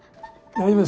大丈夫？